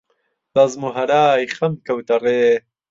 بەزم و هەرای خەم کەوتە ڕێ